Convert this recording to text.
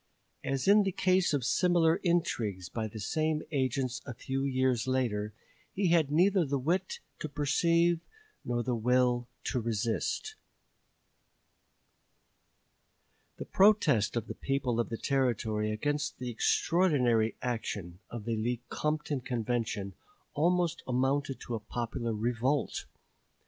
As in the case of similar intrigues by the same agents a few years later, he had neither the wit to perceive nor the will to resist. Stanton, Philadelphia Speech, Feb. 8, 1858. The protest of the people of the Territory against the extraordinary action of the Lecompton Convention almost amounted to a popular revolt.